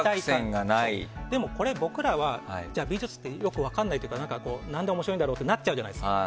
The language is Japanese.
でも、これ僕らは美術ってよく分からないというか何で面白いんだろうってなっちゃうじゃないですか。